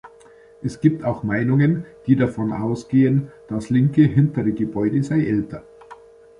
Es gibt auch Meinungen, die davon ausgehen, das linke, hintere Gebäude sei älter.